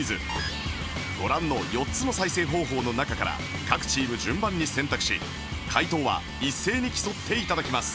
ご覧の４つの再生方法の中から各チーム順番に選択し解答は一斉に競って頂きます